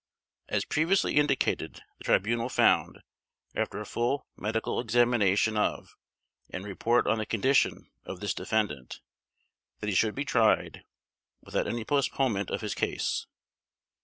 As previously indicated the Tribunal found, after a full medical examination of and report on the condition of this defendant, that he should be tried, without any postponement of his case.